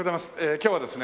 今日はですね